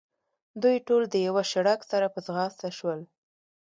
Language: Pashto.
دوی ټول د یوه شړک سره په ځغاسته شول.